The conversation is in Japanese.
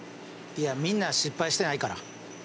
いやみんな失敗してないから。